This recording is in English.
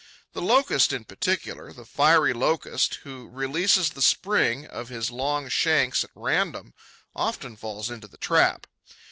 The Locust in particular, the fiery Locust, who releases the spring of his long shanks at random, often falls into the trap.